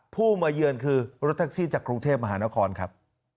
ผู้มาเยือนคือรถแท็กซี่จากกรุงเทพมหานครครับ